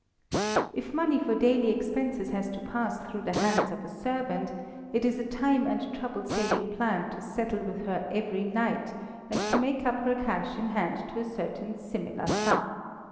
If Money for daily expenses has to pass through the hands of a servant, it is a time and trouble saving plan to settle with her every night, and to make up her cash in hand to a certain similar sum.